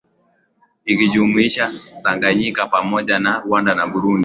Ikijumuisha Tanganyika pamoja na Rwanda na Burundi